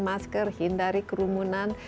masker hindari kerumunan